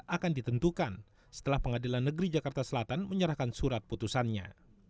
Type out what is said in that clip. akan ditentukan setelah pengadilan negeri jakarta selatan menyerahkan surat putusannya